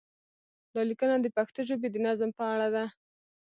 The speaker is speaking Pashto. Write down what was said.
دا لیکنه د پښتو ژبې د نظم په اړه ده.